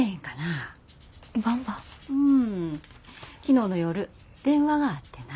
うん昨日の夜電話があってな。